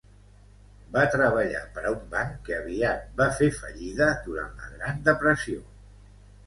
Va treballar per a un banc que aviat va fer fallida durant la Gran Depressió.